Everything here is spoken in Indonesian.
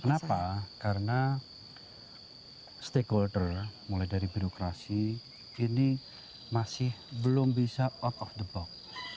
kenapa karena stakeholder mulai dari birokrasi ini masih belum bisa out of the box